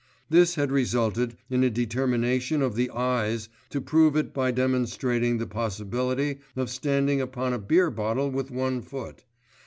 This had resulted in a determination of the ayes to prove it by demonstrating the possibility of standing upon a beer bottle with one foot.